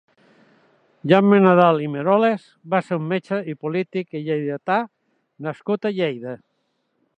Jaume Nadal i Meroles va ser un metge i polític lleidatà nascut a Lleida.